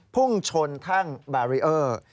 พุ่งชนทางบารียอร์